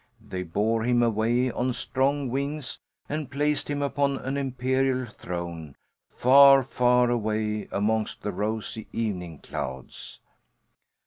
They bore him away on strong wings and placed him upon an imperial throne, far, far away amongst the rosy evening clouds.